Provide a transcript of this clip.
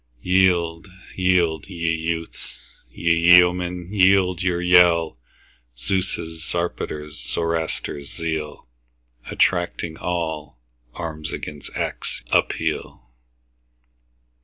Yield, yield, ye youths! ye yeomen, yield your yell! Zeus', Zarpater's, Zoroaster's zeal, Attracting all, arms against acts appeal!